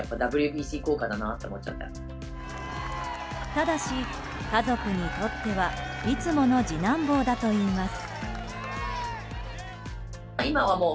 ただし、家族にとってはいつもの次男坊だといいます。